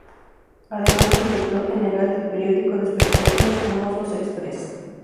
Además es director general del periódico de espectáculos "Famosos Express".